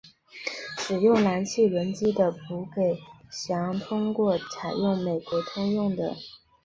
使用燃气轮机的补给舰通常采用美国通用电气的系列或英国劳斯莱斯的系列燃气轮机。